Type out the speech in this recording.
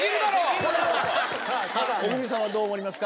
⁉小栗さんはどう思われますか？